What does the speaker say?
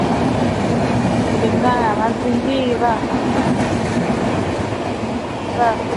Kulingana na ripoti ya mwaka elfu mbili kumi na saba ya kundi la kimazingira la Muungano juu ya Afya na Uchafuzi wa mazingira